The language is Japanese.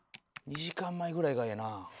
２時間前ぐらいがええな。